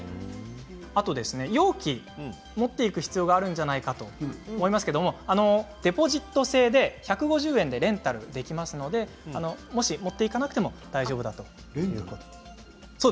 あと容器ですが持っていく必要があるんじゃないかと思いますがデポジット制で、１５０円でレンタルできますのでもし持っていかなくても大丈夫だと。